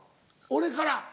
俺から。